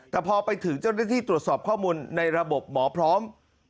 แต่พอไปถึงเจ้าหน้าที่ตรวจสอบข้อมูลในระบบหมอพร้อม